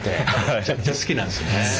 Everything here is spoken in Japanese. めちゃくちゃ好きなんですね。